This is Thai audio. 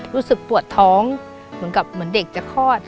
รู้สึกปวดท้องเหมือนเด็กจะคลอด